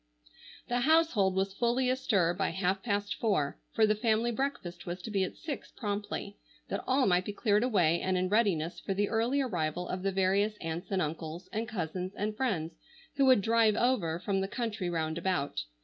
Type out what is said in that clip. The household was fully astir by half past four, for the family breakfast was to be at six promptly, that all might be cleared away and in readiness for the early arrival of the various aunts and uncles and cousins and friends who would "drive over" from the country round about.